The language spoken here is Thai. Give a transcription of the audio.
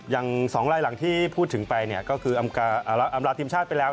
อย่าง๒ไล่หลังที่พูดถึงไปก็คืออำลาทีมชาติไปแล้ว